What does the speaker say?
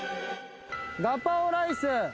ガパオライス。